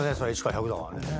１から１００だからね。